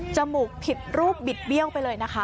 มูกผิดรูปบิดเบี้ยวไปเลยนะคะ